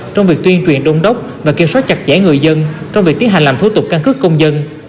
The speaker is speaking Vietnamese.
trong việc tuyên truyền đông đốc và kiểm soát chặt chẽ người dân trong việc tiến hành làm thú tục căn cứ công dân